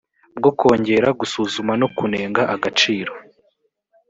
bwo kongera gusuzuma no kunenga agaciro